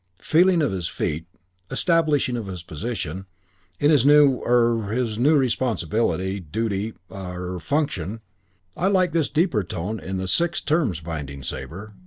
feeling of his feet establishing of his position in his new er in his new responsibility, duty er function. I like this deeper tone in the 'Six Terms' binding, Sabre.